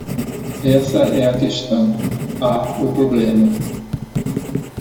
Essa é a questão. Há o problema.